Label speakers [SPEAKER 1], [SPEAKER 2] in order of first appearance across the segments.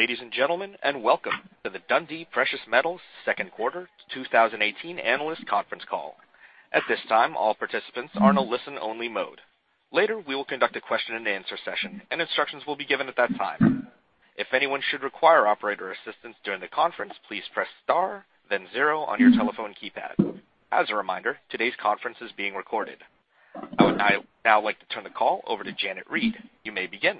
[SPEAKER 1] Good day, ladies and gentlemen, and welcome to the Dundee Precious Metals second quarter 2018 analyst conference call. At this time, all participants are in a listen-only mode. Later, we will conduct a question and answer session, and instructions will be given at that time. If anyone should require operator assistance during the conference, please press star then zero on your telephone keypad. As a reminder, today's conference is being recorded. I would now like to turn the call over to Janet Reid. You may begin.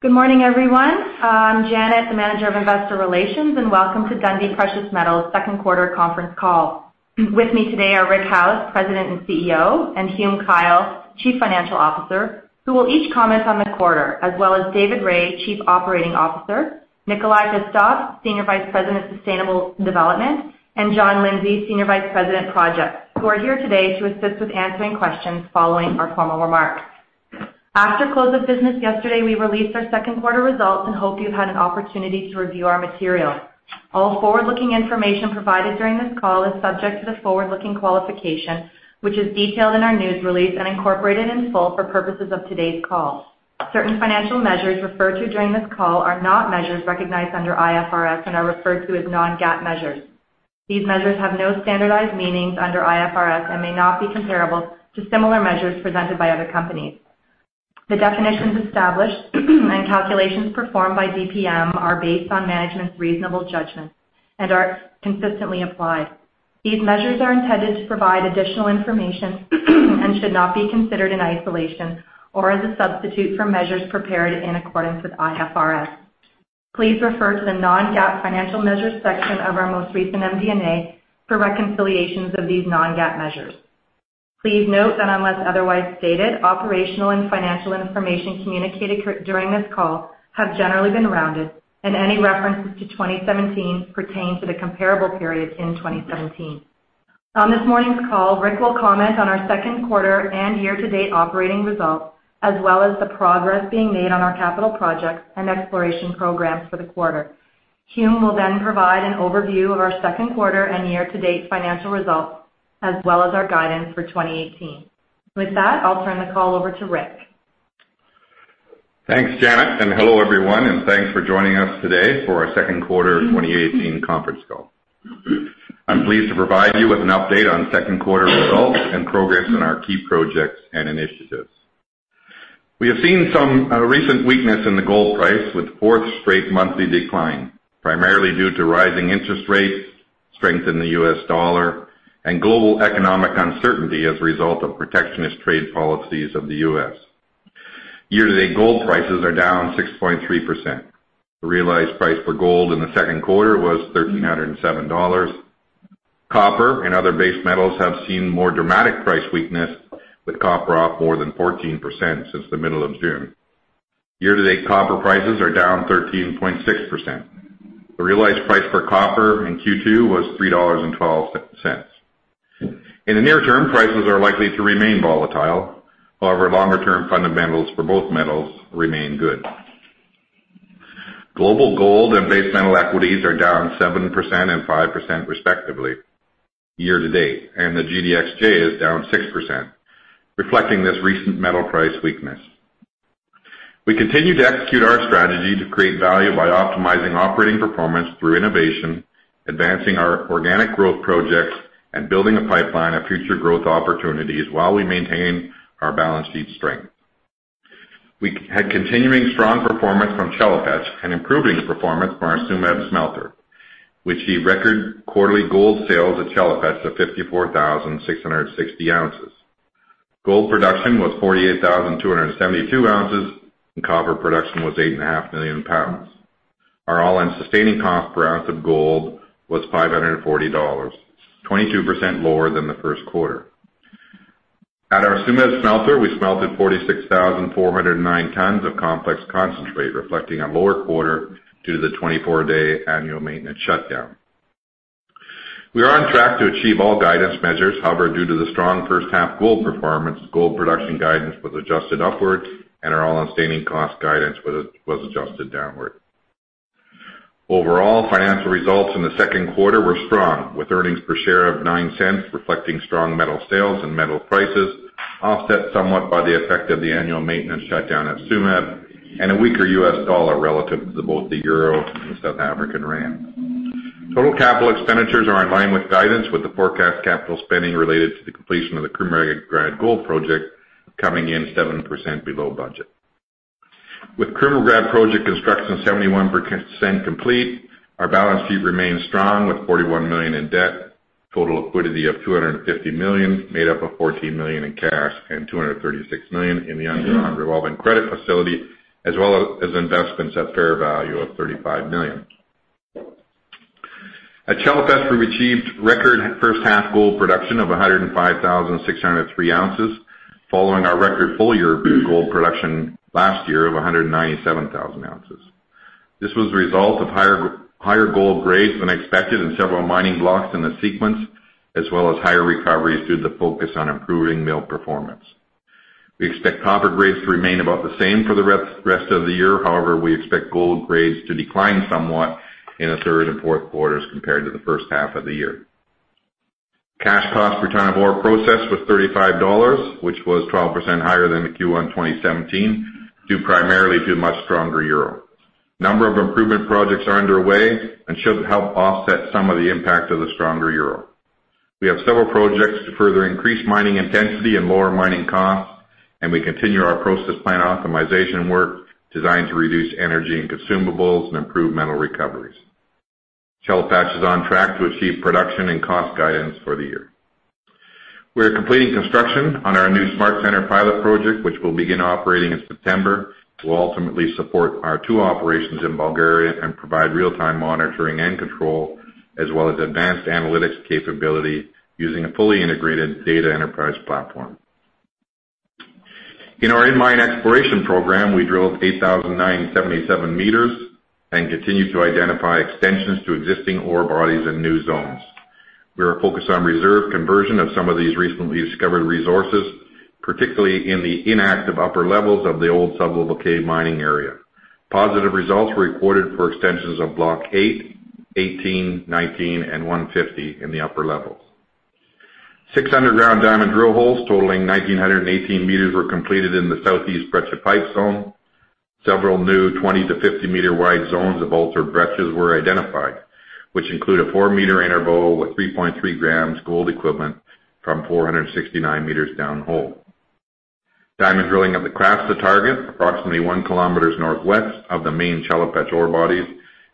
[SPEAKER 2] Good morning, everyone. I'm Janet, the Manager of Investor Relations, and welcome to Dundee Precious Metals second quarter conference call. With me today are Rick Howes, President and CEO, and Hume Kyle, Chief Financial Officer, who will each comment on the quarter, as well as David Rae, Chief Operating Officer, Nikolay Hristov, Senior Vice President of Sustainable Development, and John Lindsay, Senior Vice President, Projects, who are here today to assist with answering questions following our formal remarks. After close of business yesterday, we released our second quarter results and hope you've had an opportunity to review our material. All forward-looking information provided during this call is subject to the forward-looking qualification, which is detailed in our news release and incorporated in full for purposes of today's call. Certain financial measures referred to during this call are not measures recognized under IFRS and are referred to as non-GAAP measures. These measures have no standardized meanings under IFRS and may not be comparable to similar measures presented by other companies. The definitions established and calculations performed by DPM are based on management's reasonable judgments and are consistently applied. These measures are intended to provide additional information and should not be considered in isolation or as a substitute for measures prepared in accordance with IFRS. Please refer to the non-GAAP financial measures section of our most recent MD&A for reconciliations of these non-GAAP measures. Please note that unless otherwise stated, operational and financial information communicated during this call have generally been rounded, and any references to 2017 pertain to the comparable periods in 2017. On this morning's call, Rick will comment on our second quarter and year-to-date operating results, as well as the progress being made on our capital projects and exploration programs for the quarter. Hume will provide an overview of our second quarter and year-to-date financial results, as well as our guidance for 2018. With that, I'll turn the call over to Rick.
[SPEAKER 3] Thanks, Janet, and hello everyone, and thanks for joining us today for our second quarter 2018 conference call. I'm pleased to provide you with an update on second quarter results and progress on our key projects and initiatives. We have seen some recent weakness in the gold price, with fourth straight monthly decline, primarily due to rising interest rates, strength in the U.S. dollar, and global economic uncertainty as a result of protectionist trade policies of the U.S. Year-to-date gold prices are down 6.3%. The realized price for gold in the second quarter was $1,307. Copper and other base metals have seen more dramatic price weakness, with copper off more than 14% since the middle of June. Year-to-date copper prices are down 13.6%. The realized price for copper in Q2 was $3.12. In the near term, prices are likely to remain volatile. Longer-term fundamentals for both metals remain good. Global gold and base metal equities are down 7% and 5% respectively year to date, and the GDXJ is down 6%, reflecting this recent metal price weakness. We continue to execute our strategy to create value by optimizing operating performance through innovation, advancing our organic growth projects, and building a pipeline of future growth opportunities while we maintain our balanced sheet strength. We had continuing strong performance from Chelopech and improving performance from our Tsumeb smelter. We achieved record quarterly gold sales at Chelopech to 54,660 ounces. Gold production was 48,272 ounces, and copper production was 8.5 million pounds. Our all-in sustaining cost per ounce of gold was $540, 22% lower than the first quarter. At our Tsumeb smelter, we smelted 46,409 tons of complex concentrate, reflecting a lower quarter due to the 24-day annual maintenance shutdown. We are on track to achieve all guidance measures. Due to the strong first half gold performance, gold production guidance was adjusted upwards, and our all-in sustaining cost guidance was adjusted downward. Overall, financial results in the second quarter were strong, with earnings per share of $0.09, reflecting strong metal sales and metal prices, offset somewhat by the effect of the annual maintenance shutdown at Tsumeb and a weaker U.S. dollar relative to both the EUR and the ZAR. Total capital expenditures are in line with guidance, with the forecast capital spending related to the completion of the Krumovgrad Gold Project coming in 7% below budget. With Krumovgrad Project construction 71% complete, our balance sheet remains strong with $41 million in debt, total equity of $250 million, made up of $14 million in cash and $236 million in the undrawn revolving credit facility, as well as investments at fair value of $35 million. At Chelopech, we received record first half gold production of 105,603 ounces, following our record full year gold production last year of 197,000 ounces. This was the result of higher gold grades than expected in several mining blocks in the sequence, as well as higher recoveries due to the focus on improving mill performance. We expect copper grades to remain about the same for the rest of the year. We expect gold grades to decline somewhat in the third and fourth quarters compared to the first half of the year. Cash cost per ton of ore processed was $35, which was 12% higher than the Q1 2017, due primarily to a much stronger EUR. A number of improvement projects are underway and should help offset some of the impact of the stronger EUR. We have several projects to further increase mining intensity and lower mining costs. We continue our process plant optimization work designed to reduce energy and consumables and improve metal recoveries. Chelopech is on track to achieve production and cost guidance for the year. We are completing construction on our new Smart Center pilot project, which will begin operating in September. It will ultimately support our two operations in Bulgaria and provide real-time monitoring and control, as well as advanced analytics capability using a fully integrated data enterprise platform. In our in-mine exploration program, we drilled 8,977 meters and continue to identify extensions to existing ore bodies and new zones. We are focused on reserve conversion of some of these recently discovered resources, particularly in the inactive upper levels of the old sublevel cave mining area. Positive results were recorded for extensions of Block 8, 18, 19, and 150 in the upper levels. Six underground diamond drill holes totaling 1,918 meters were completed in the southeast Breccia Pipe zone. Several new 20 to 50-meter-wide zones of altered breccias were identified, which include a 4-meter interval with 3.3 grams gold equivalent from 469 meters downhole. Diamond drilling at the Krasta target, approximately one kilometer northwest of the main Chelopech ore bodies,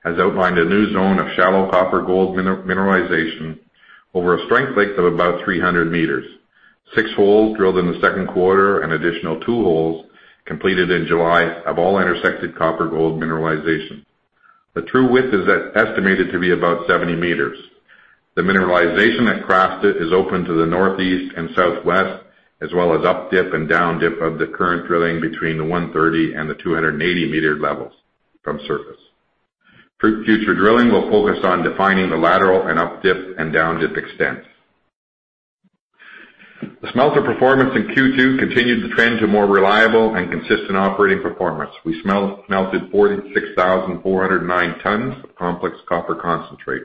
[SPEAKER 3] has outlined a new zone of shallow copper gold mineralization over a strike length of about 300 meters. Six holes drilled in the second quarter and additional two holes completed in July have all intersected copper gold mineralization. The true width is estimated to be about 70 meters. The mineralization at Krasta is open to the northeast and southwest, as well as up-dip and down-dip of the current drilling between the 130 and the 280-meter levels from surface. Future drilling will focus on defining the lateral and up-dip and down-dip extent. The smelter performance in Q2 continued the trend to more reliable and consistent operating performance. We smelted 46,409 tonnes of complex copper concentrate.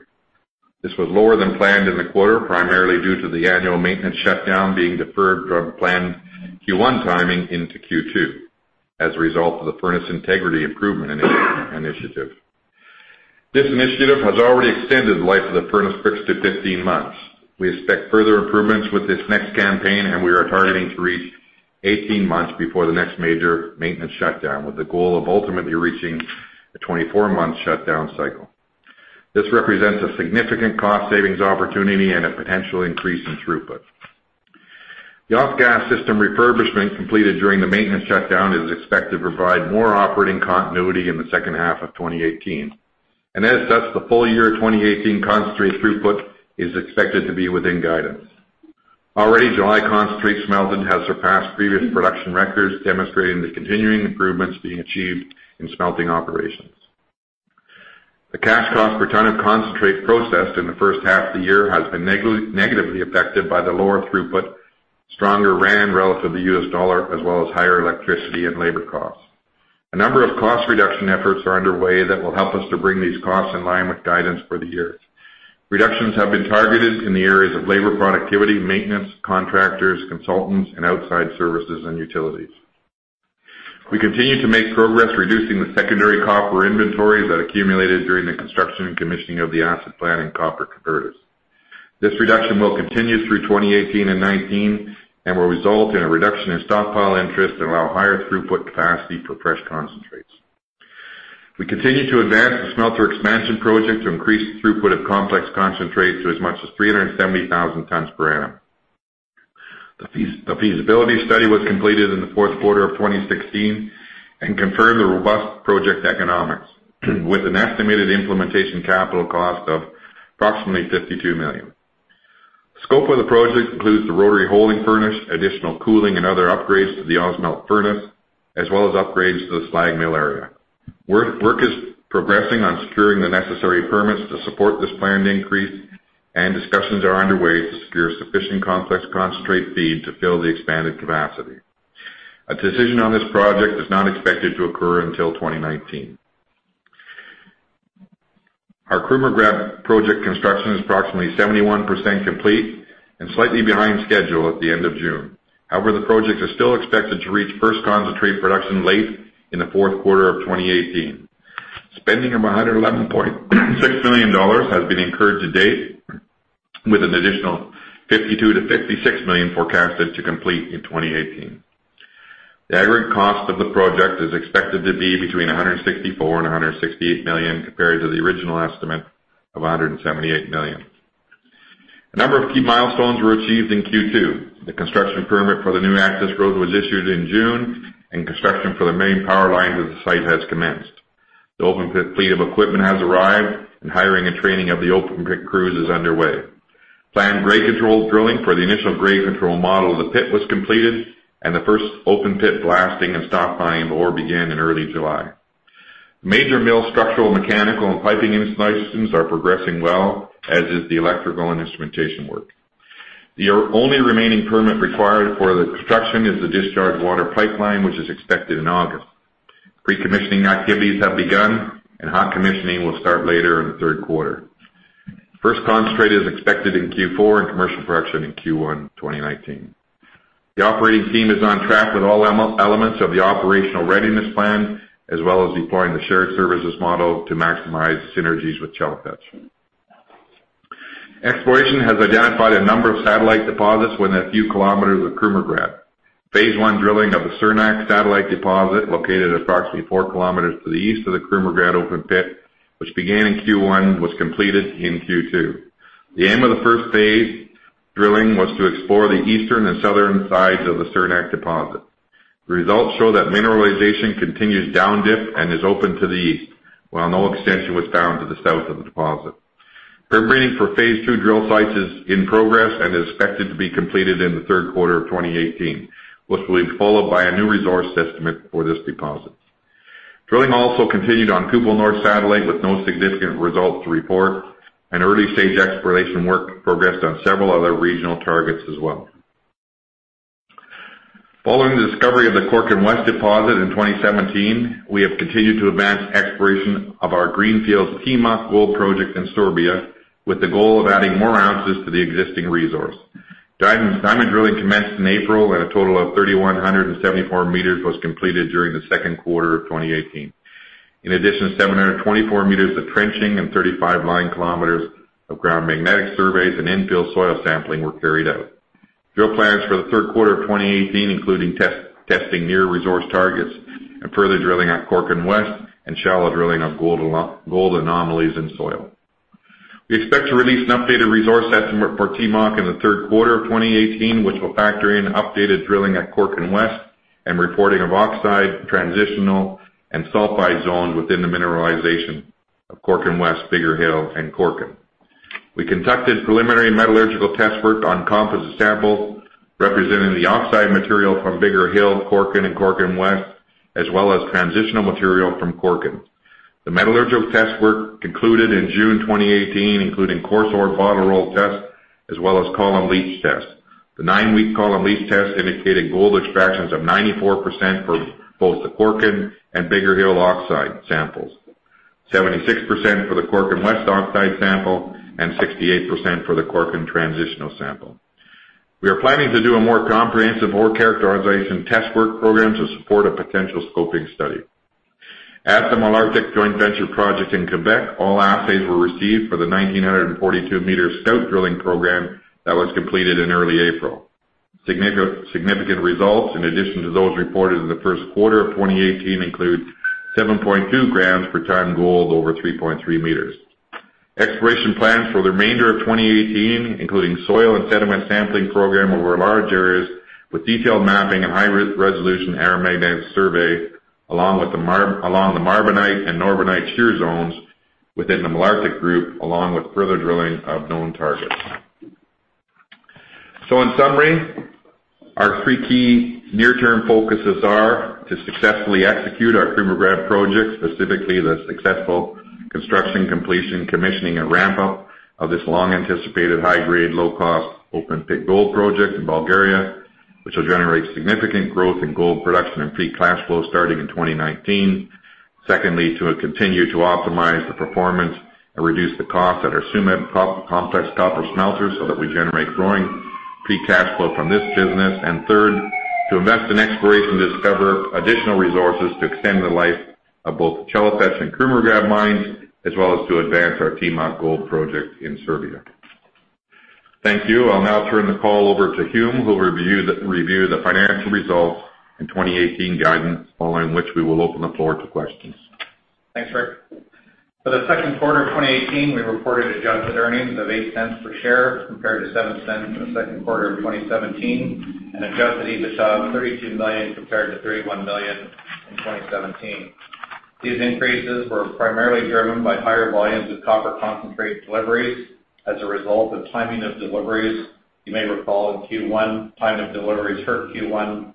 [SPEAKER 3] This was lower than planned in the quarter, primarily due to the annual maintenance shutdown being deferred from planned Q1 timing into Q2 as a result of the furnace integrity improvement initiative. This initiative has already extended the life of the furnace bricks to 15 months. We expect further improvements with this next campaign. We are targeting to reach 18 months before the next major maintenance shutdown, with the goal of ultimately reaching a 24-month shutdown cycle. This represents a significant cost savings opportunity and a potential increase in throughput. The off-gas system refurbishment completed during the maintenance shutdown is expected to provide more operating continuity in the second half of 2018. As such, the full year 2018 concentrate throughput is expected to be within guidance. Already, July concentrate smelting has surpassed previous production records, demonstrating the continuing improvements being achieved in smelting operations. The cash cost per ton of concentrate processed in the first half of the year has been negatively affected by the lower throughput, stronger rand relative to the U.S. dollar, as well as higher electricity and labor costs. A number of cost reduction efforts are underway that will help us to bring these costs in line with guidance for the year. Reductions have been targeted in the areas of labor productivity, maintenance, contractors, consultants, and outside services and utilities. We continue to make progress reducing the secondary copper inventories that accumulated during the construction and commissioning of the acid plant and copper converters. This reduction will continue through 2018 and 2019 and will result in a reduction in stockpile interest and allow higher throughput capacity for fresh concentrates. We continue to advance the smelter expansion project to increase throughput of complex concentrate to as much as 370,000 tons per annum. The feasibility study was completed in the fourth quarter of 2016 and confirmed the robust project economics, with an estimated implementation capital cost of approximately $52 million. The scope of the project includes the rotary holding furnace, additional cooling and other upgrades to the Ausmelt furnace, as well as upgrades to the slag mill area. Work is progressing on securing the necessary permits to support this planned increase. Discussions are underway to secure sufficient complex concentrate feed to fill the expanded capacity. A decision on this project is not expected to occur until 2019. Our Krumovgrad project construction is approximately 71% complete and slightly behind schedule at the end of June. However, the project is still expected to reach first concentrate production late in the fourth quarter of 2018. Spending of $111.6 million has been incurred to date, with an additional $52 million-$56 million forecasted to complete in 2018. The aggregate cost of the project is expected to be between $164 million and $168 million, compared to the original estimate of $178 million. A number of key milestones were achieved in Q2. The construction permit for the new access road was issued in June. Construction for the main power lines of the site has commenced. The open pit fleet of equipment has arrived. Hiring and training of the open pit crews is underway. Planned grade control drilling for the initial grade control model of the pit was completed. The first open pit blasting and stockpiling of ore began in early July. Major mill structural, mechanical, and piping installations are progressing well, as is the electrical and instrumentation work. The only remaining permit required for the construction is the discharge water pipeline, which is expected in August. Pre-commissioning activities have begun. Hot commissioning will start later in the third quarter. First concentrate is expected in Q4 and commercial production in Q1 2019. The operating team is on track with all elements of the operational readiness plan, as well as deploying the shared services model to maximize synergies with Chelopech. Exploration has identified a number of satellite deposits within a few kilometers of Krumovgrad. Phase one drilling of the Cernak satellite deposit, located approximately four kilometers to the east of the Krumovgrad open pit, which began in Q1, was completed in Q2. The aim of the first phase drilling was to explore the eastern and southern sides of the Cernak deposit. The results show that mineralization continues down dip and is open to the east, while no extension was found to the south of the deposit. Preparing for phase two drill sites is in progress and is expected to be completed in the third quarter of 2018, which will be followed by a new resource estimate for this deposit. Drilling also continued on Kupel North satellite with no significant results to report. Early-stage exploration work progressed on several other regional targets as well. Following the discovery of the Korkin West deposit in 2017, we have continued to advance exploration of our greenfield Timok gold project in Serbia, with the goal of adding more ounces to the existing resource. Diamond drilling commenced in April, and a total of 3,174 meters was completed during the second quarter of 2018. In addition, 724 meters of trenching and 35 line kilometers of ground magnetic surveys and infill soil sampling were carried out. Drill plans for the third quarter of 2018 including testing near resource targets and further drilling at Korkin West and shallow drilling of gold anomalies in soil. We expect to release an updated resource estimate for Timok in the third quarter of 2018, which will factor in updated drilling at Korkin West. Reporting of oxide, transitional, and sulfide zones within the mineralization of Korkin West, Bigger Hill, and Korkin. We conducted preliminary metallurgical test work on composite samples representing the oxide material from Bigger Hill, Korkin, and Korkin West, as well as transitional material from Korkin. The metallurgical test work concluded in June 2018, including coarse ore bottle roll test as well as column leach test. The nine-week column leach test indicated gold extractions of 94% for both the Korkin and Bigger Hill oxide samples, 76% for the Korkin West oxide sample, and 68% for the Korkin transitional sample. We are planning to do a more comprehensive ore characterization test work program to support a potential scoping study. At the Malartic joint venture project in Quebec, all assays were received for the 1,942-meter scout drilling program that was completed in early April. Significant results, in addition to those reported in the first quarter of 2018, include 7.2 grams per ton gold over 3.3 meters. Exploration plans for the remainder of 2018, including soil and sediment sampling program over large areas with detailed mapping and high-resolution aeromagnetic survey, along the Marbenite and Norbenite shear zones within the Malartic Group, along with further drilling of known targets. In summary, our three key near-term focuses are to successfully execute our Krumovgrad project, specifically the successful construction, completion, commissioning and ramp-up of this long-anticipated high-grade, low-cost open pit gold project in Bulgaria, which will generate significant growth in gold production and free cash flow starting in 2019. Secondly, to continue to optimize the performance and reduce the cost at our Tsumeb complex copper smelter so that we generate growing free cash flow from this business. Third, to invest in exploration to discover additional resources to extend the life of both Chelopech and Krumovgrad mines, as well as to advance our Timok gold project in Serbia. Thank you. I'll now turn the call over to Hume, who will review the financial results and 2018 guidance, following which we will open the floor to questions.
[SPEAKER 4] Thanks, Rick. For the second quarter of 2018, we reported adjusted earnings of $0.08 per share compared to $0.07 in the second quarter of 2017, and adjusted EBITDA of $32 million compared to $31 million in 2017. These increases were primarily driven by higher volumes of copper concentrate deliveries as a result of timing of deliveries. You may recall in Q1, timing of deliveries hurt Q1,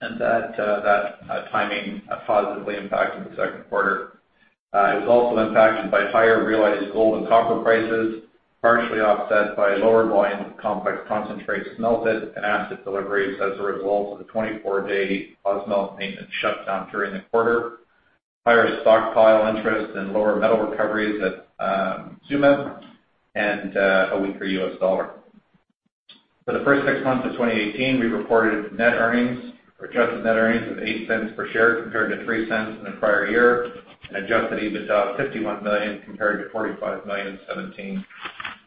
[SPEAKER 4] and that timing positively impacted the second quarter. It was also impacted by higher realized gold and copper prices, partially offset by lower volumes of complex concentrate smelted and acid deliveries as a result of the 24-day Ausmelt maintenance shutdown during the quarter. Higher stockpile interest and lower metal recoveries at Tsumeb and a weaker U.S. dollar. For the first six months of 2018, we reported net earnings or adjusted net earnings of $0.08 per share compared to $0.03 in the prior year, and adjusted EBITDA of $51 million compared to $45 million in 2017.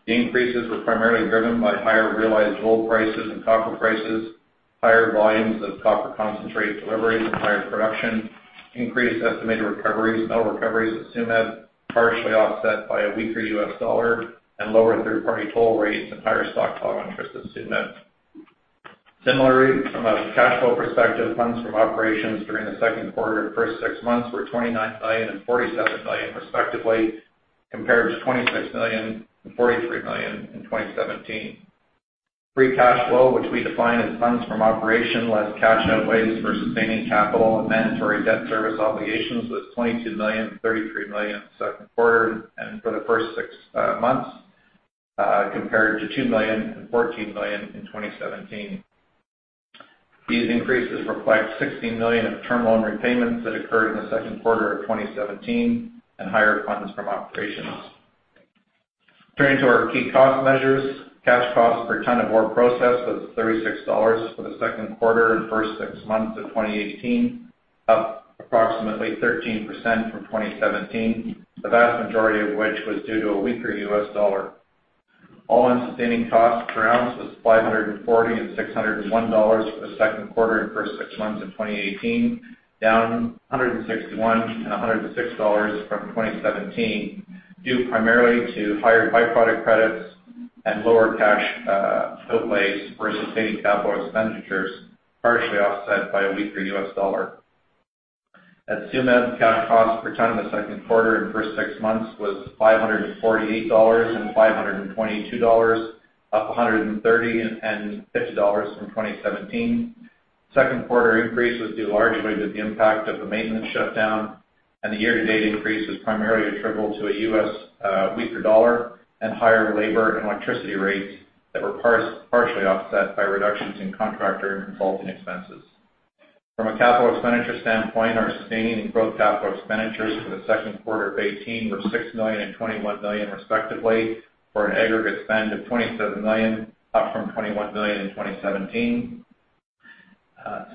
[SPEAKER 4] The increases were primarily driven by higher realized gold prices and copper prices, higher volumes of copper concentrate deliveries and higher production, increased estimated recoveries, metal recoveries at Tsumeb, partially offset by a weaker U.S. dollar and lower third-party toll rates and higher stockpile interest at Tsumeb. Similarly, from a cash flow perspective, funds from operations during the second quarter and first six months were $29 million and $47 million respectively, compared to $26 million and $43 million in 2017. Free cash flow, which we define as funds from operation less cash outflows for sustaining capital and mandatory debt service obligations, was $22 million and $33 million in the second quarter and for the first six months. Compared to $2 million and $14 million in 2017. These increases reflect $16 million of term loan repayments that occurred in the second quarter of 2017 and higher funds from operations. Turning to our key cost measures, cash costs per ton of ore processed was $36 for the second quarter and first six months of 2018, up approximately 13% from 2017, the vast majority of which was due to a weaker U.S. dollar. All-in sustaining cost per ounce was $540 and $601 for the second quarter and first six months of 2018, down $161 and $106 from 2017, due primarily to higher by-product credits and lower cash outflows versus sustaining capital expenditures, partially offset by a weaker U.S. dollar. At Tsumeb, cash costs per ton in the second quarter and first six months was $548 and $522, up $130 and $50 from 2017. Second quarter increase was due largely to the impact of the maintenance shutdown, and the year-to-date increase was primarily attributable to a weaker U.S. dollar and higher labor and electricity rates that were partially offset by reductions in contractor and consulting expenses. From a capital expenditure standpoint, our sustaining and growth capital expenditures for the second quarter of 2018 were $6 million and $21 million respectively, for an aggregate spend of $27 million, up from $21 million in 2017.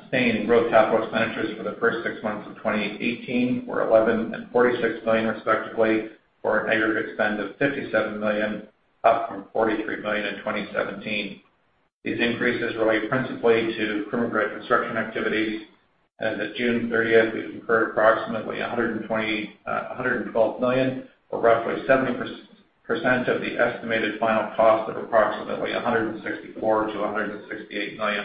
[SPEAKER 4] Sustaining and growth capital expenditures for the first six months of 2018 were $11 million and $46 million respectively, for an aggregate spend of $57 million, up from $43 million in 2017. These increases relate principally to Krumovgrad construction activities, and at June 30th, we've incurred approximately $112 million or roughly 70% of the estimated final cost of approximately $164 million-$168 million.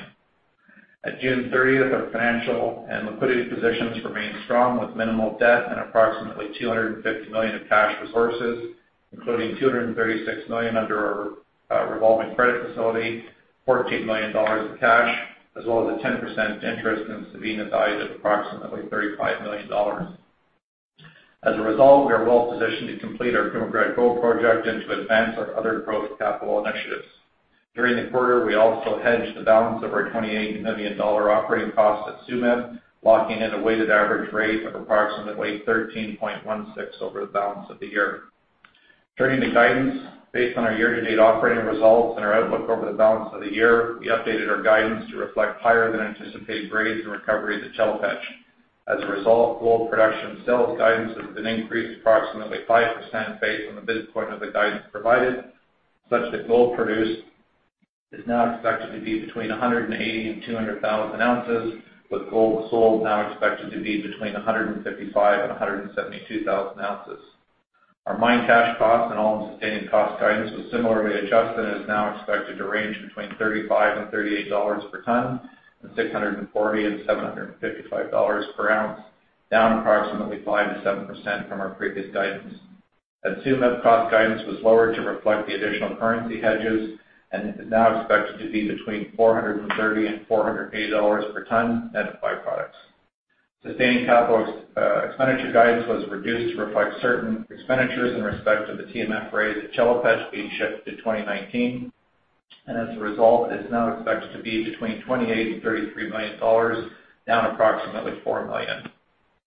[SPEAKER 4] At June 30th, our financial and liquidity positions remained strong with minimal debt and approximately $250 million of cash resources, including $236 million under our revolving credit facility, $14 million of cash, as well as a 10% interest in Sabina valued at approximately $35 million. As a result, we are well positioned to complete our Krumovgrad Gold project and to advance our other growth capital initiatives. During the quarter, we also hedged the balance of our $28 million operating cost at Tsumeb, locking in a weighted average rate of approximately 13.16 over the balance of the year. Turning to guidance, based on our year-to-date operating results and our outlook over the balance of the year, we updated our guidance to reflect higher than anticipated grades and recovery at the Chelopech. As a result, gold production sales guidance has been increased approximately 5% based on the midpoint of the guidance provided, such that gold produced is now expected to be between 180,000-200,000 ounces, with gold sold now expected to be between 155,000-172,000 ounces. Our mine cash costs and all-in sustaining cost guidance was similarly adjusted and is now expected to range between $35-$38 per ton and $640-$755 per ounce, down approximately 5%-7% from our previous guidance. At Tsumeb, cost guidance was lowered to reflect the additional currency hedges and is now expected to be between $430-$480 per ton and byproducts. Sustaining capital expenditure guidance was reduced to reflect certain expenditures in respect of the TMF grade at Chelopech being shipped to 2019, and as a result, it's now expected to be between $28 million-$33 million, down approximately $4 million.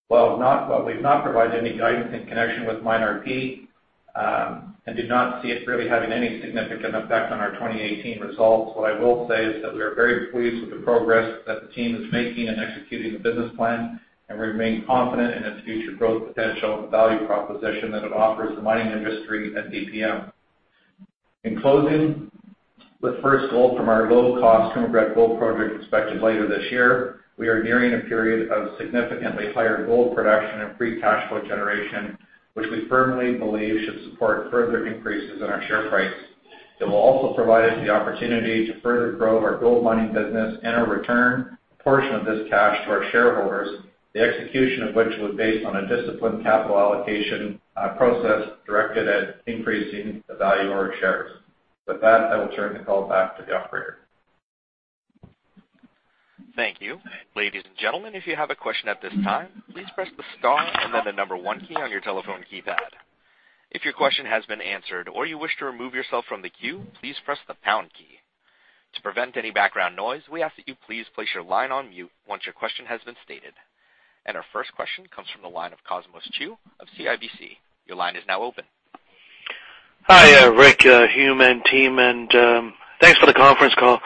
[SPEAKER 4] While we've not provided any guidance in connection with MineRP, and do not see it really having any significant effect on our 2018 results, what I will say is that we are very pleased with the progress that the team is making in executing the business plan, and remain confident in its future growth potential and the value proposition that it offers the mining industry and DPM. In closing, with first gold from our low-cost Krumovgrad Gold project expected later this year, we are nearing a period of significantly higher gold production and free cash flow generation, which we firmly believe should support further increases in our share price. It will also provide us the opportunity to further grow our gold mining business and return a portion of this cash to our shareholders, the execution of which was based on a disciplined capital allocation process directed at increasing the value of our shares. With that, I will turn the call back to the operator.
[SPEAKER 1] Thank you. Ladies and gentlemen, if you have a question at this time, please press the star and then the number one key on your telephone keypad. If your question has been answered or you wish to remove yourself from the queue, please press the pound key. To prevent any background noise, we ask that you please place your line on mute once your question has been stated. Our first question comes from the line of Cosmos Chiu of CIBC. Your line is now open.
[SPEAKER 5] Hi, Rick, Hume, and team. Thanks for the conference call.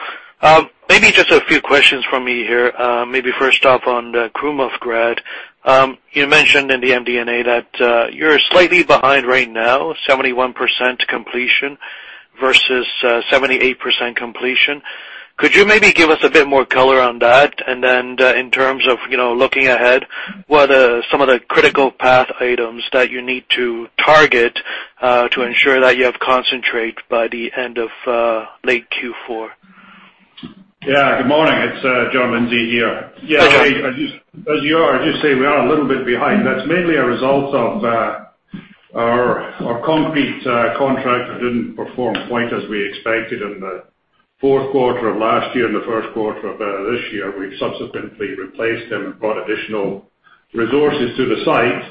[SPEAKER 5] Maybe just a few questions from me here. Maybe first off on Krumovgrad. You mentioned in the MD&A that you're slightly behind right now, 71% completion versus 78% completion. Could you maybe give us a bit more color on that? Then in terms of looking ahead, what are some of the critical path items that you need to target to ensure that you have concentrate by the end of late Q4?
[SPEAKER 6] Good morning. It's John Lindsay here.
[SPEAKER 5] Yeah.
[SPEAKER 6] As you are, I'll just say we are a little bit behind. That's mainly a result of our concrete contractor didn't perform quite as we expected in the fourth quarter of last year and the first quarter of this year. We've subsequently replaced them and brought additional resources to the site.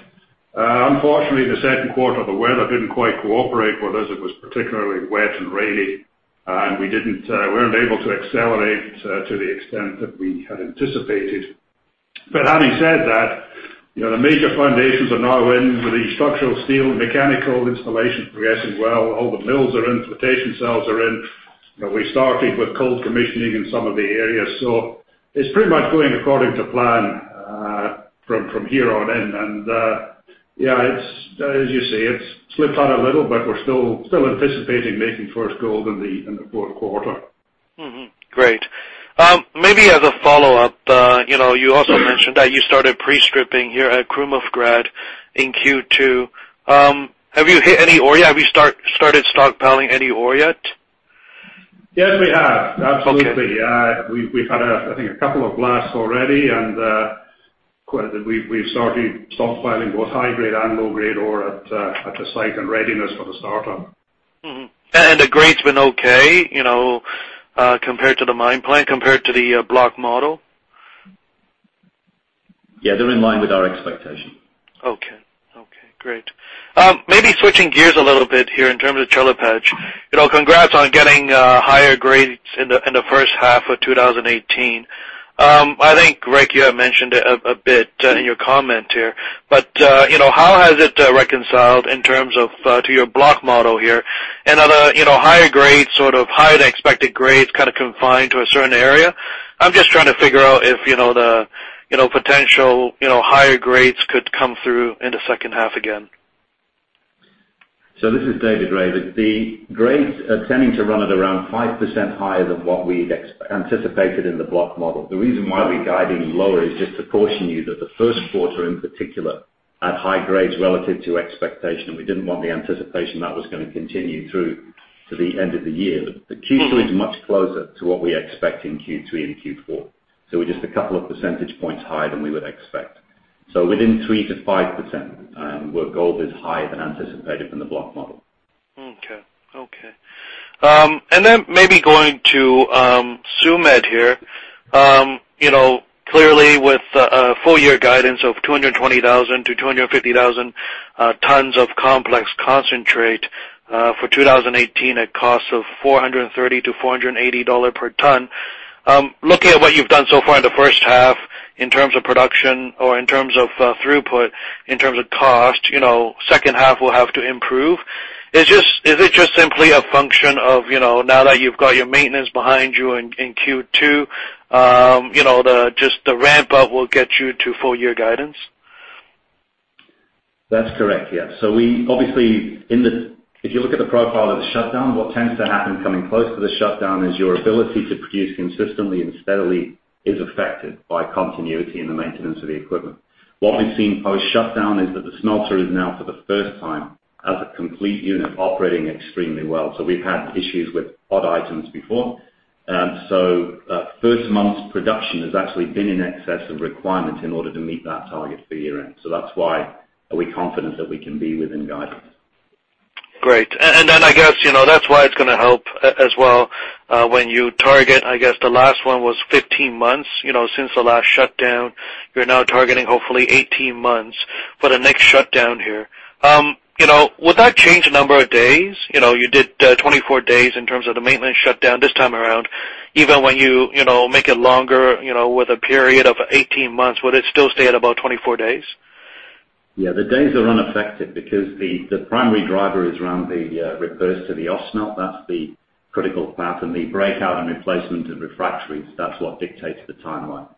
[SPEAKER 6] Unfortunately, in the second quarter, the weather didn't quite cooperate with us. It was particularly wet and rainy, and we weren't able to accelerate to the extent that we had anticipated. Having said that, the major foundations are now in with the structural steel and mechanical installation progressing well. All the mills are in, flotation cells are in. We started with cold commissioning in some of the areas. It's pretty much going according to plan from here on in. Yeah, as you say, it's slipped out a little, but we're still anticipating making first gold in the fourth quarter.
[SPEAKER 5] Mm-hmm. Great. Maybe as a follow-up, you also mentioned that you started pre-stripping here at Krumovgrad in Q2. Have you hit any ore yet? Have you started stockpiling any ore yet?
[SPEAKER 6] Yes, we have. Absolutely.
[SPEAKER 5] Okay.
[SPEAKER 6] We've had, I think, a couple of blasts already, and we've started stockpiling both high-grade and low-grade ore at the site in readiness for the start-up.
[SPEAKER 5] Mm-hmm. The grade has been okay compared to the mine plan, compared to the block model?
[SPEAKER 7] Yeah, they are in line with our expectation.
[SPEAKER 5] Okay. Great. Maybe switching gears a little bit here in terms of Chelopech. Congrats on getting higher grades in the first half of 2018. I think, Rick, you have mentioned it a bit in your comment here, how has it reconciled in terms of to your block model here? Are the higher grades, sort of higher-than-expected grades kind of confined to a certain area? I am just trying to figure out if the potential higher grades could come through in the second half again.
[SPEAKER 7] This is David Rae. The grades are tending to run at around 5% higher than what we had anticipated in the block model. The reason why we are guiding lower is just to caution you that the first quarter, in particular, had high grades relative to expectation. We did not want the anticipation that was going to continue through to the end of the year. The Q2 is much closer to what we expect in Q3 and Q4. We are just a couple of percentage points higher than we would expect. Within 3%-5% where gold is higher than anticipated in the block model.
[SPEAKER 5] Okay. Then maybe going to Tsumeb here. Clearly with a full-year guidance of 220,000 to 250,000 tons of complex concentrate for 2018 at costs of $430 to $480 per ton. Looking at what you've done so far in the first half in terms of production or in terms of throughput, in terms of cost, second half will have to improve. Is it just simply a function of now that you've got your maintenance behind you in Q2, just the ramp up will get you to full-year guidance?
[SPEAKER 7] That's correct. If you look at the profile of the shutdown, what tends to happen coming close to the shutdown is your ability to produce consistently and steadily is affected by continuity in the maintenance of the equipment. What we've seen post-shutdown is that the smelter is now for the first time as a complete unit operating extremely well. We've had issues with odd items before. First month's production has actually been in excess of requirement in order to meet that target for year-end. That's why we're confident that we can be within guidance.
[SPEAKER 5] Great. Then I guess that's why it's going to help as well when you target, I guess the last one was 15 months since the last shutdown. You're now targeting hopefully 18 months for the next shutdown here. Will that change the number of days? You did 24 days in terms of the maintenance shutdown this time around. Even when you make it longer with a period of 18 months, would it still stay at about 24 days?
[SPEAKER 7] The days are unaffected because the primary driver refers to the Ausmelt. That's the critical path, and the breakout and replacement of refractories, that's what dictates the timeline.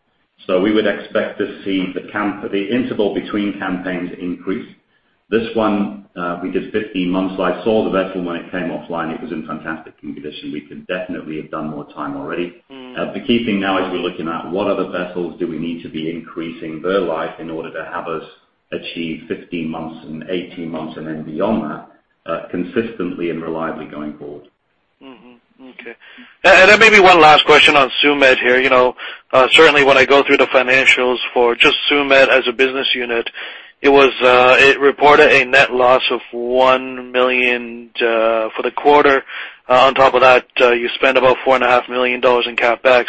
[SPEAKER 7] We would expect to see the interval between campaigns increase. This one, we did 15 months. I saw the vessel when it came offline, it was in fantastic condition. We could definitely have done more time already. The key thing now is we're looking at what other vessels do we need to be increasing their life in order to have us achieve 15 months and 18 months, and then beyond that, consistently and reliably going forward.
[SPEAKER 5] Mm-hmm. Okay. Maybe one last question on Tsumeb here. Certainly when I go through the financials for just Tsumeb as a business unit, it reported a net loss of $1 million for the quarter. On top of that, you spent about $4.5 million in CapEx.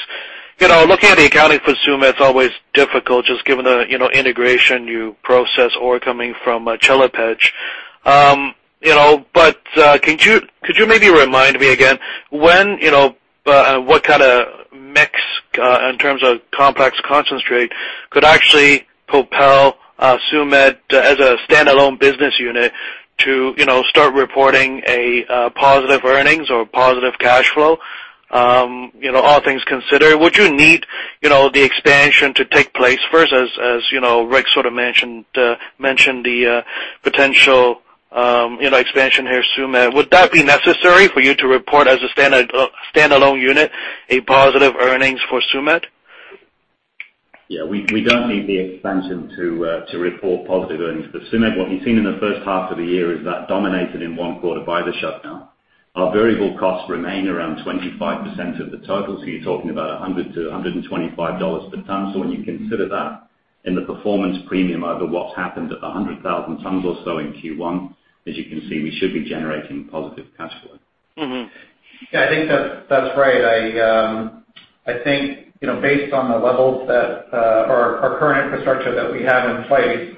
[SPEAKER 5] Looking at the accounting for Tsumeb, it's always difficult just given the integration you process ore coming from Chelopech. Could you maybe remind me again, what kind of mix in terms of complex concentrate could actually propel Tsumeb as a standalone business unit to start reporting a positive earnings or positive cash flow? All things considered, would you need the expansion to take place first as Rick sort of mentioned the potential expansion here at Tsumeb. Would that be necessary for you to report as a standalone unit, a positive earnings for Tsumeb?
[SPEAKER 7] Yeah, we don't need the expansion to report positive earnings for Tsumeb. What we've seen in the first half of the year is that dominated in 1 quarter by the shutdown. Our variable costs remain around 25% of the total, you're talking about $100 to $125 per ton. When you consider that in the performance premium over what's happened at 100,000 tons or so in Q1, as you can see, we should be generating positive cash flow.
[SPEAKER 4] Yeah, I think that's great. I think, based on the levels that our current infrastructure that we have in place,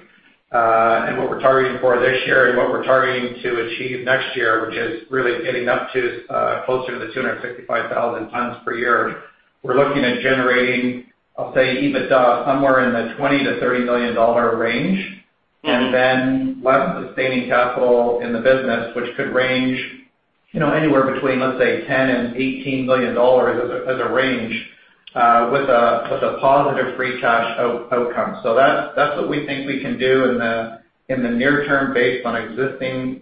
[SPEAKER 4] and what we are targeting for this year and what we are targeting to achieve next year, which is really getting up to closer to the 265,000 tons per year, we are looking at generating, I will say, EBITDA somewhere in the $20 million-$30 million range. Less sustaining capital in the business, which could range anywhere between, let's say, $10 million and $18 million as a range, with a positive free cash outcome. That is what we think we can do in the near term based on existing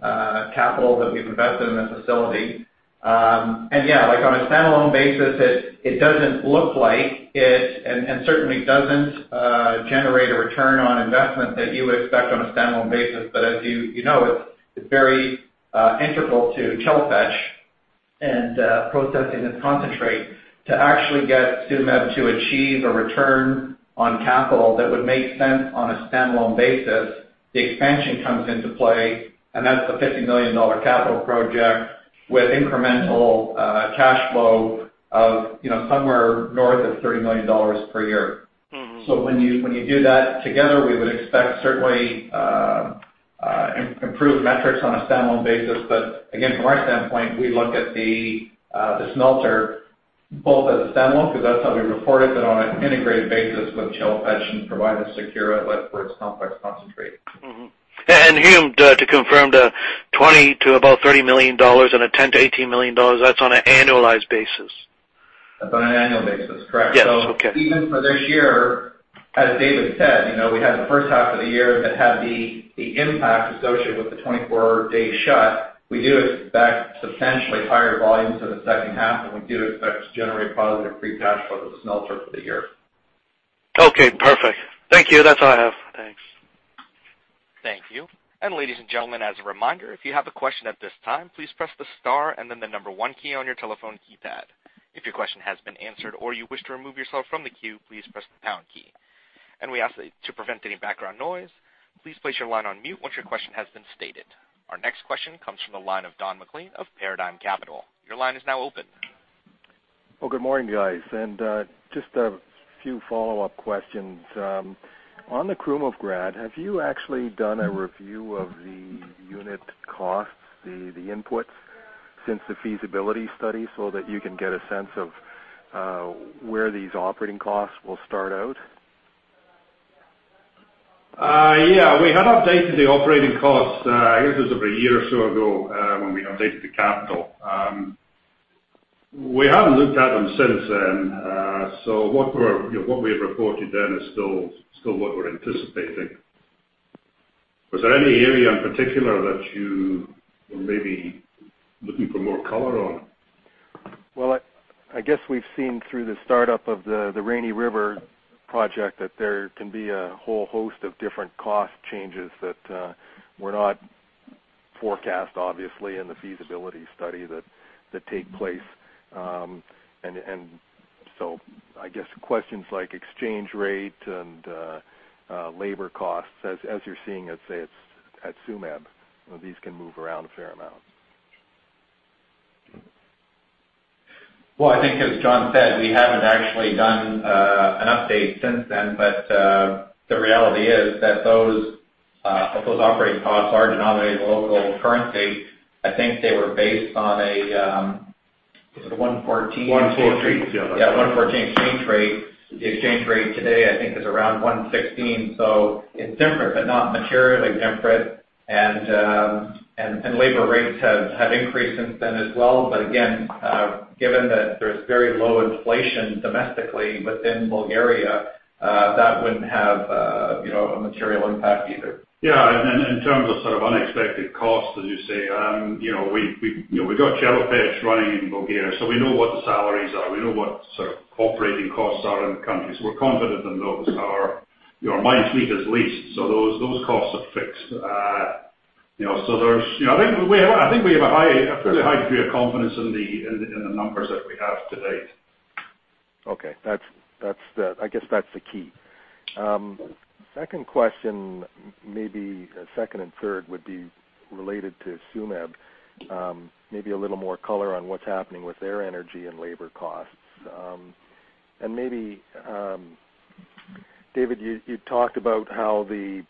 [SPEAKER 4] capital that we have invested in the facility. Yeah, on a standalone basis, it does not look like it, and certainly does not generate a return on investment that you would expect on a standalone basis. As you know, it is very integral to Chelopech and processing this concentrate to actually get Tsumeb to achieve a return on capital that would make sense on a standalone basis. The expansion comes into play, and that is the $50 million capital project with incremental cash flow of somewhere north of $30 million per year. When you do that together, we would expect certainly improved metrics on a standalone basis. Again, from our standpoint, we look at the smelter both as a standalone because that is how we report it, but on an integrated basis with Chelopech and provide a secure outlet for its complex concentrate.
[SPEAKER 7] Hume, to confirm the $20 million to about $30 million and a $10 million to $18 million, that is on an annualized basis?
[SPEAKER 4] That's on an annual basis, correct.
[SPEAKER 5] Yes. Okay.
[SPEAKER 4] Even for this year, as David said, we had the first half of the year that had the impact associated with the 24-day shut. We do expect substantially higher volumes in the second half, and we do expect to generate positive free cash flow for the smelter for the year.
[SPEAKER 5] Okay, perfect. Thank you. That's all I have.
[SPEAKER 4] Thanks.
[SPEAKER 1] Thank you. Ladies and gentlemen, as a reminder, if you have a question at this time, please press the star and then the number 1 key on your telephone keypad. If your question has been answered or you wish to remove yourself from the queue, please press the pound key. We ask that to prevent any background noise, please place your line on mute once your question has been stated. Our next question comes from the line of Don MacLean of Paradigm Capital. Your line is now open.
[SPEAKER 8] Good morning, guys. Just a few follow-up questions. On the Krumovgrad, have you actually done a review of the unit costs, the inputs since the feasibility study so that you can get a sense of where these operating costs will start out?
[SPEAKER 6] Yeah. We had updated the operating costs, I guess it was over a year or so ago, when we updated the capital. We haven't looked at them since then. What we had reported then is still what we're anticipating. Was there any area in particular that you were maybe looking for more color on?
[SPEAKER 8] I guess we've seen through the startup of the Rainy River project that there can be a whole host of different cost changes that were not forecast, obviously, in the feasibility study that take place. I guess questions like exchange rate and labor costs, as you're seeing at, say, at Tsumeb, these can move around a fair amount.
[SPEAKER 4] I think as John said, we haven't actually done an update since then, but the reality is that those operating costs are denominated in local currency. I think they were based on a, was it 114?
[SPEAKER 6] 114, yeah.
[SPEAKER 4] 114 exchange rate. The exchange rate today, I think, is around 116. It's different, but not materially different. Labor rates have increased since then as well. Again, given that there's very low inflation domestically within Bulgaria, that wouldn't have a material impact either.
[SPEAKER 6] In terms of unexpected costs, as you say, we've got Chelopech running in Bulgaria, so we know what the salaries are, we know what operating costs are in the country. We're confident in those. Our mine fleet has leased, so those costs are fixed. I think we have a fairly high degree of confidence in the numbers that we have to date.
[SPEAKER 8] Okay. I guess that's the key. Second question, maybe a second and third, would be related to Tsumeb. Maybe a little more color on what's happening with their energy and labor costs. Maybe, David, you talked about how the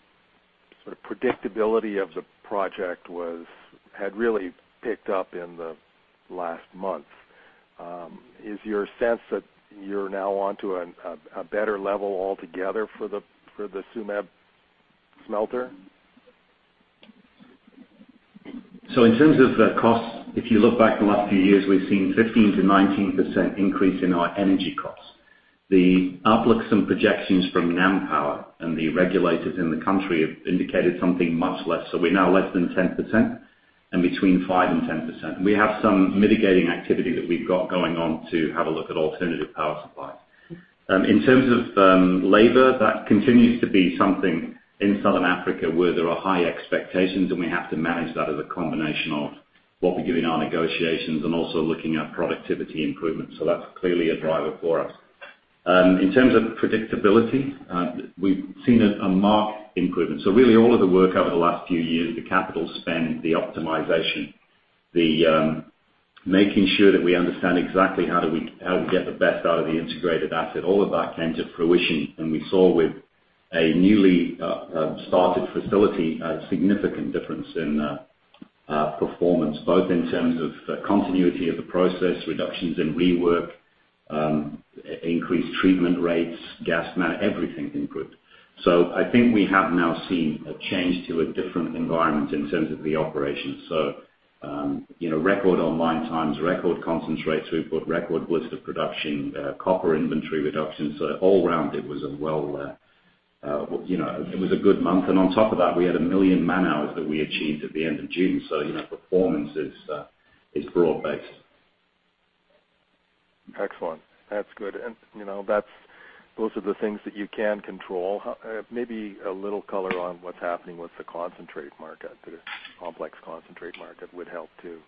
[SPEAKER 8] predictability of the project had really picked up in the last month. Is your sense that you're now onto a better level altogether for the Tsumeb smelter?
[SPEAKER 7] In terms of costs, if you look back the last few years, we've seen 15%-19% increase in our energy costs. The outlooks and projections from NamPower and the regulators in the country have indicated something much less. We're now less than 10%, and between 5%-10%. We have some mitigating activity that we've got going on to have a look at alternative power supply. In terms of labor, that continues to be something in Southern Africa where there are high expectations, and we have to manage that as a combination of what we do in our negotiations and also looking at productivity improvements. That's clearly a driver for us. In terms of predictability, we've seen a marked improvement. Really all of the work over the last few years, the capital spend, the optimization, making sure that we understand exactly how do we get the best out of the integrated asset. All of that came to fruition when we saw with a newly started facility, a significant difference in performance, both in terms of continuity of the process, reductions in rework, increased treatment rates, gas, everything improved. I think we have now seen a change to a different environment in terms of the operation. Record online times, record concentrates. We've got record blister production, copper inventory reductions. All round, it was a good month. On top of that, we had 1 million man-hours that we achieved at the end of June. Performance is broad-based.
[SPEAKER 8] Excellent. That's good. Those are the things that you can control. Maybe a little color on what's happening with the concentrate market, the complex concentrate market would help too.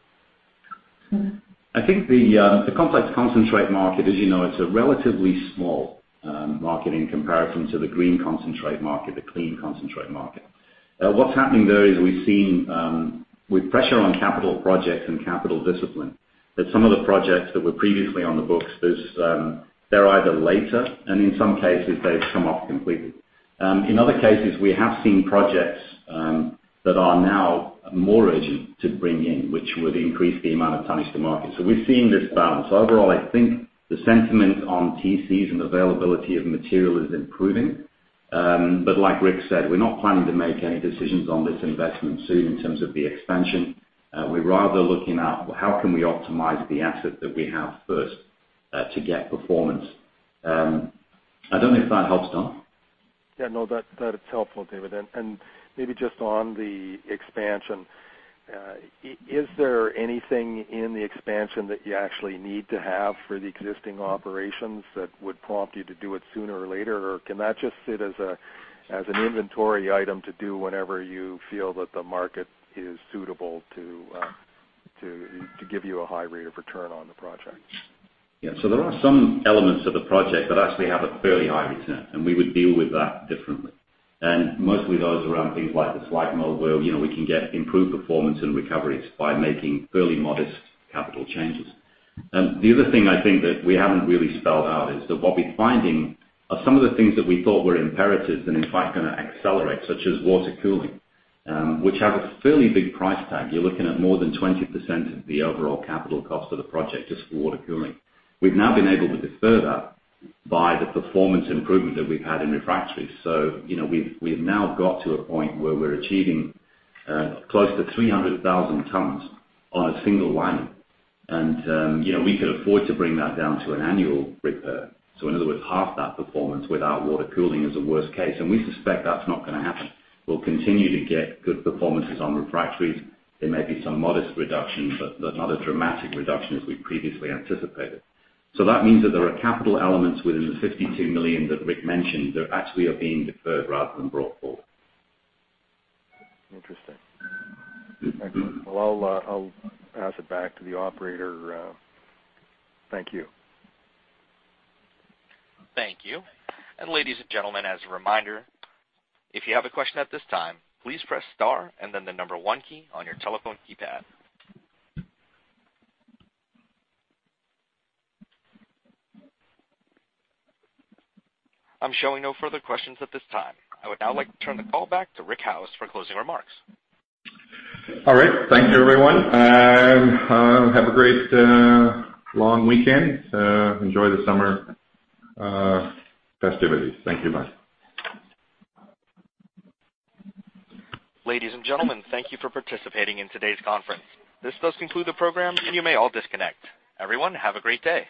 [SPEAKER 7] I think the complex concentrate market, as you know, it's a relatively small market in comparison to the green concentrate market, the clean concentrate market. What's happening there is we've seen with pressure on capital projects and capital discipline, that some of the projects that were previously on the books, they're either later, and in some cases they've come off completely. In other cases, we have seen projects that are now more urgent to bring in, which would increase the amount of tonnage to market. We've seen this balance. Overall, I think the sentiment on TCs and availability of material is improving. Like Rick said, we're not planning to make any decisions on this investment soon in terms of the expansion. We're rather looking at how can we optimize the asset that we have first, to get performance. I don't know if that helps, Don.
[SPEAKER 8] Yeah, no, that's helpful, David. Maybe just on the expansion, is there anything in the expansion that you actually need to have for the existing operations that would prompt you to do it sooner or later? Or can that just sit as an inventory item to do whenever you feel that the market is suitable to give you a high rate of return on the project?
[SPEAKER 7] Yeah. There are some elements of the project that actually have a fairly high return, and we would deal with that differently. Mostly those are around things like the slag mill, where we can get improved performance and recoveries by making fairly modest capital changes. The other thing I think that we haven't really spelled out is that what we're finding are some of the things that we thought were imperatives and in fact going to accelerate, such as water cooling, which has a fairly big price tag. You're looking at more than 20% of the overall capital cost of the project just for water cooling. We've now been able to defer that by the performance improvement that we've had in refractories. We've now got to a point where we're achieving close to 300,000 tons on a single lining. We could afford to bring that down to an annual repair. In other words, half that performance without water cooling is a worst case, and we suspect that's not going to happen. We'll continue to get good performances on refractories. There may be some modest reductions, but not a dramatic reduction as we previously anticipated. That means that there are capital elements within the $52 million that Rick mentioned, that actually are being deferred rather than brought forward.
[SPEAKER 8] Interesting. Well, I'll pass it back to the operator. Thank you.
[SPEAKER 1] Thank you. Ladies and gentlemen, as a reminder, if you have a question at this time, please press star and then the number 1 key on your telephone keypad. I am showing no further questions at this time. I would now like to turn the call back to Rick Howes for closing remarks.
[SPEAKER 3] All right. Thank you everyone. Have a great long weekend. Enjoy the summer festivities. Thank you. Bye.
[SPEAKER 1] Ladies and gentlemen, thank you for participating in today's conference. This does conclude the program. You may all disconnect. Everyone, have a great day.